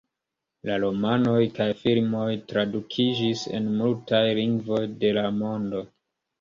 La romanoj kaj filmoj tradukiĝis en multaj lingvoj de la mondo.